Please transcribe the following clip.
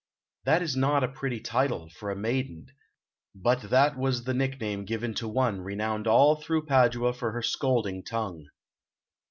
That is not a pretty title for a maiden, but that was the nickname given to one, renowned all through Padua for her scolding tongue.